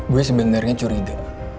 gue sebenernya curiga